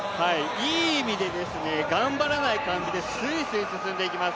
いい意味で頑張らない感じでスイスイ進んでいきます。